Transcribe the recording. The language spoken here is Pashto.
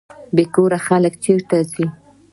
بې کوره خلک چیرته ځي؟